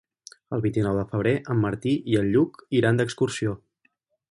El vint-i-nou de febrer en Martí i en Lluc iran d'excursió.